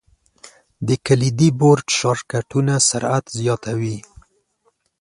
د کلیدي بورډ شارټ کټونه سرعت زیاتوي.